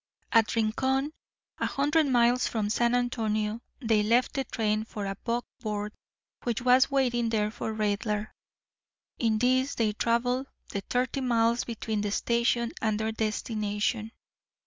At Rincon, a hundred miles from San Antonio, they left the train for a buckboard which was waiting there for Raidler. In this they travelled the thirty miles between the station and their destination.